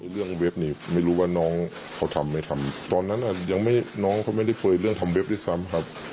เว็บนี่ไม่รู้ว่าน้องเขาทำไม่ทำตอนนั้นอ่ะยังไม่น้องเขาไม่ได้คุยเรื่องทำเว็บด้วยซ้ำครับ